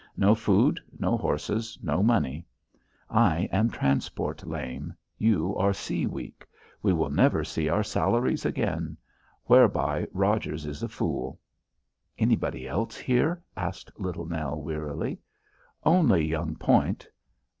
No food, no horses, no money. I am transport lame; you are sea weak. We will never see our salaries again. Whereby Rogers is a fool." "Anybody else here?" asked Little Nell wearily. "Only young Point."